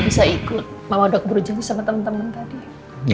bisa ikut mama udah keburu janggut sama temen temen tadi